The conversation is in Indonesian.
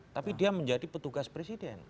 tapi dia menjadi petugas presiden